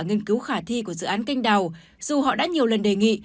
nghiên cứu khả thi của dự án canh đào dù họ đã nhiều lần đề nghị